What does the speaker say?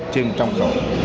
trên một trong khẩu